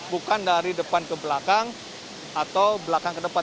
bukan dari depan ke belakang atau belakang ke depan